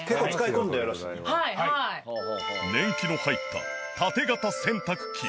年季の入った縦型洗濯機。